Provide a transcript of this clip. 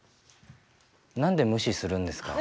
何で無視するんですか？